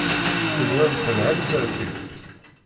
Tenwam telha tsertit.